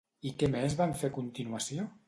I què més van fer a continuació?